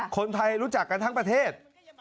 คนไทยรู้จักกันทั้งประเทศ